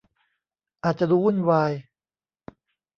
อาจจะดูวุ่นวาย